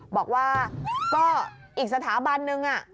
บอกว่าก็อีกสถาบันนึง